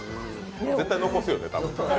絶対残すよね、多分。